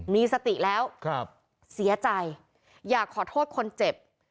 มีสติแล้วเสียใจอยากขอโทษคนเจ็บ